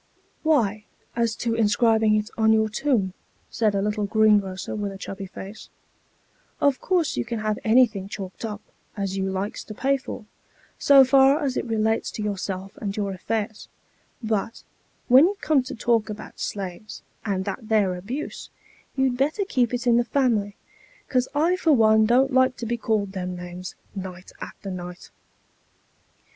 " Why, as to inscribing it on your tomb," said a little greengrocer with a chubby face, " of course you can have anything chalked up, as you likes to pay for, so far as it relates to yourself and your affairs ; but, when you come to talk about slaves, aud that there abuse, you'd better keep it in the family, 'cos I for one don't like to be called them names, night after night."